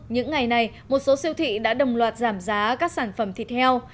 những ngày này một số siêu thị đã đồng loạt giảm giá các sản phẩm thịt heo